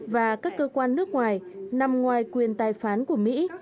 và các cơ quan nước ngoài nằm ngoài quyền tài phán của mỹ